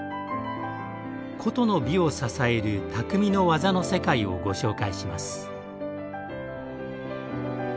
古都の美を支える「匠の技の世界」をご紹介します。